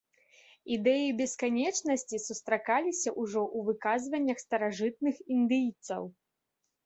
Ідэі бесканечнасці сустракаліся ўжо ў выказваннях старажытных індыйцаў.